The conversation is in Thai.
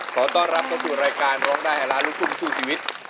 ขอต้อนรับเข้าสู่รายการร้องได้ให้ล้านลูกทุ่งสู้ชีวิต